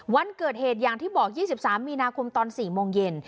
วันเกิดเหตุอย่างที่บอก๒๓มีนาคมตอน๔โมงเย็น